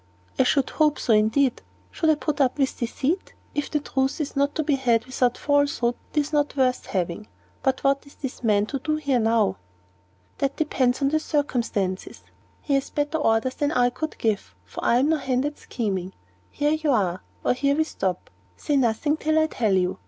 "I should hope so, indeed. Should I put up with deceit? If the truth is not to be had without falsehood, it is not worth having. But what is this man to do here now?" "That depends upon circumstances. He has better orders than I could give, for I am no hand at scheming. Here we are; or here we stop. Say nothing till I tell you.